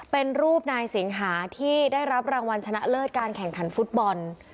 เป็นรูปนายสิงหาที่ได้รับรางวัลชนะเลิศการแข่งขันฟุตบอล